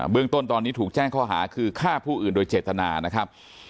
เรื่องต้นตอนนี้ถูกแจ้งข้อหาคือฆ่าผู้อื่นโดยเจตนานะครับ